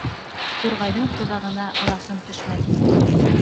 Турғайҙың тоҙағына ыласын төшмәҫ.